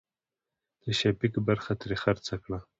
د شفيق برخه ترې خرڅه کړه.